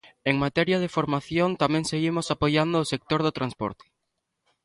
En materia de formación tamén seguimos apoiando o sector do transporte.